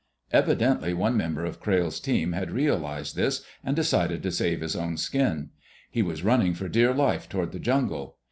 Evidently one member of Crayle's team had realized this and decided to save his own skin. He was running for dear life toward the jungle.